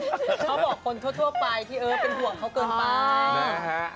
เขาบอกคนทั่วไปที่เฮิลล์ดลักษมเมตรเป็นกลัวเขาเกินไป